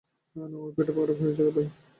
হ্যাঁ, না, ওর পেট খারাপ হয়েছিল, ভাই।